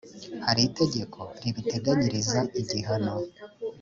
hari itegeko ribiteganyiriza igihano